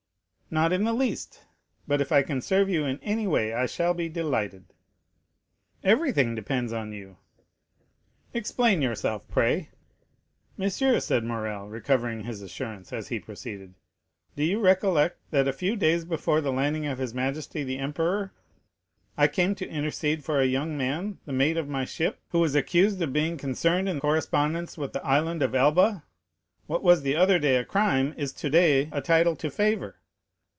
"Not in the least; but if I can serve you in any way I shall be delighted." "Everything depends on you." "Explain yourself, pray." "Monsieur," said Morrel, recovering his assurance as he proceeded, "do you recollect that a few days before the landing of his majesty the emperor, I came to intercede for a young man, the mate of my ship, who was accused of being concerned in correspondence with the Island of Elba? What was the other day a crime is today a title to favor.